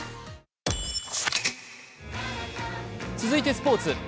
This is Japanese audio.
続いてスポーツ。